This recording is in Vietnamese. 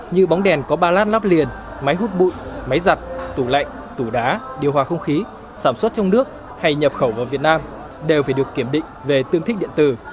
như bóng đèn có ba lát nắp liền máy hút bụi máy giặt tủ lạnh tủ đá điều hòa không khí sản xuất trong nước hay nhập khẩu vào việt nam đều phải được kiểm định về tương thích điện tử